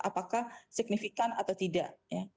apakah signifikan atau tidak